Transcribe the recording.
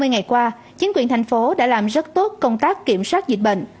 hai mươi ngày qua chính quyền thành phố đã làm rất tốt công tác kiểm soát dịch bệnh